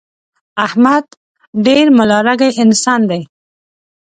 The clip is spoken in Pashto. احمد ډېر ملا رګی انسان دی.